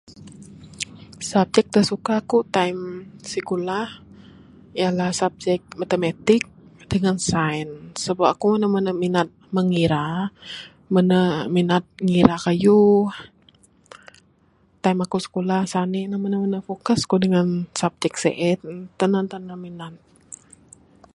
Subject da suka aku time sikulah ialah subject matematik dangan science. Sebab aku mene-mene minat mengira, mene minat ngira kayuh. Time aku sikulah sani ne mene-mene focus ku dangan subject sien. Tanan-tanan minat.